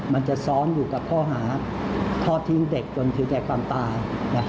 มันจะซ้อนอยู่กับข้อหาทอดทิ้งเด็กจนถึงแก่ความตาย